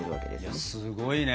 いやすごいね。